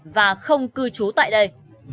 và không cư trú tại đây